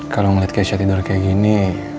kalau ngeliat keisha tidur kayak gini